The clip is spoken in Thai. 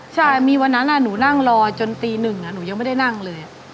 ใช่มีวันนั้นหนูนั่งรอจนตีหนึ่งหนูยังไม่ได้นั่งเลย